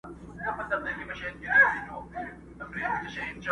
نه مي له شمعي سره شپه سوه، نه مېلې د ګلو!.